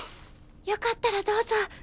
よかったらどうぞ。